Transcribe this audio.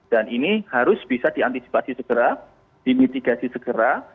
dan ini harus bisa diantisipasi segera dimitigasi segera